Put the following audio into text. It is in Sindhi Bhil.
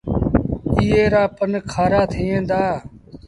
ايئي رآ پن کآرآ ٿئيٚݩ دآ۔